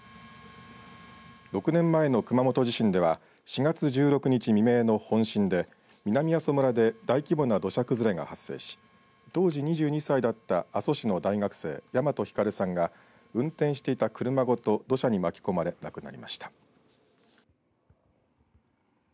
６年前の熊本地震では４月１６日未明の本震で南阿蘇村で大規模な土砂崩れが発生し当時２２歳だった阿蘇市の大学生、大和晃さんが運転していた車ごと土砂に巻き込まれ亡くなりました。